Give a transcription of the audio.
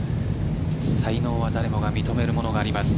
才能は誰もが認めるものがあります。